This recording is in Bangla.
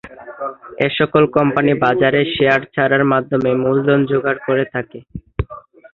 এসকল কোম্পানী বাজারে শেয়ার ছাড়ার মাধ্যমে মূলধন জোগাড় করে থাকে।